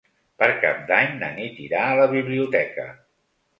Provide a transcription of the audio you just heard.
Per Cap d'Any na Nit irà a la biblioteca.